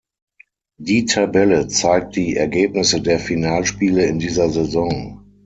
Die Tabelle zeigt die Ergebnisse der Finalspiele in dieser Saison.